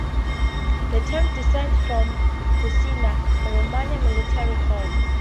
The term descends from "Buccina", a Roman military horn.